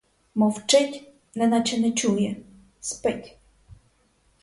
Мовчить, неначе не чує, спить.